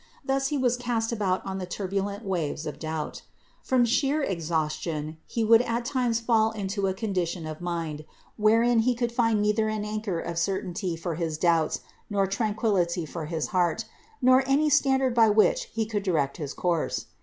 Thus he was cast about on the turbulent waves of doubt. From sheer exhaustion he would at times fall into a con dition of mind wherein he could find neither an anchor of certainty for his doubts, nor tranquillity for his heart, nor any standard by which he could direct his course.